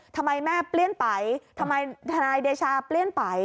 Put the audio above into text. ทำไมแม่เปลี่ยนไปทำไมทนายเดชาเปลี่ยนไป